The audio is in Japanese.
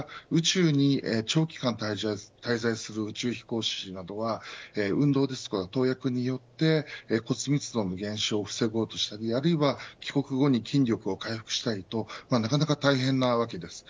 ですから宇宙に長期間滞在する宇宙飛行士などは運動ですとか投薬によって骨密度の減少を防ごうとしたりあるいは帰国後に筋力を回復したりとなかなか大変なわけです。